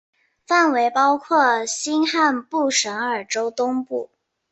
范围包括新罕布什尔州东部。